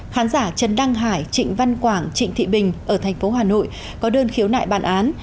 khán giả trần đăng hải trịnh văn quảng trịnh thị bình ở tp hà nội có đơn khiếu nại bàn án